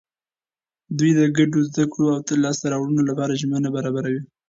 دوی د ګډو زده کړو او لاسته راوړنو لپاره زمینه برابروي.